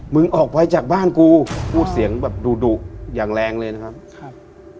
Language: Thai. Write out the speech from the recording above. มึงออกไปจากบ้านกูพูดเสียงแบบดุดุอย่างแรงเลยนะครับครับ